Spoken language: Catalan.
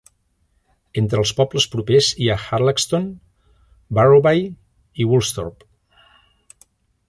Entre els pobles propers hi ha Harlaxton, Barrowby i Woolsthorpe.